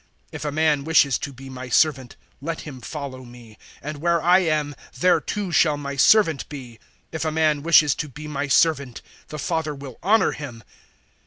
012:026 If a man wishes to be my servant, let him follow me; and where I am, there too shall my servant be. If a man wishes to be my servant, the Father will honour him.